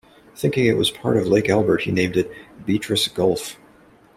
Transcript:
Thinking it was part of Lake Albert, he named it "Beatrice Gulf".